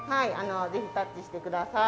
ぜひタッチしてください。